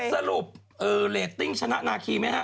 สรุปเรตติ้งชนะนาคีไหมฮะ